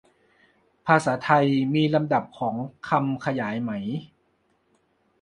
ภาษาไทยมีลำดับของคำขยายไหม